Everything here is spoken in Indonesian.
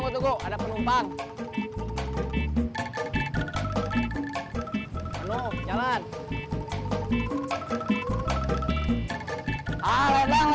tunggu tunggu tunggu